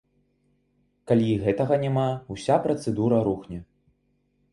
Калі і гэтага няма, уся працэдура рухне.